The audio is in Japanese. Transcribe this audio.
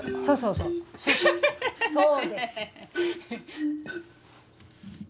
そうそう。